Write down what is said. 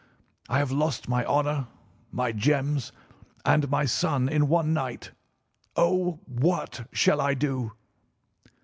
I have lost my honour, my gems, and my son in one night. Oh, what shall I do!"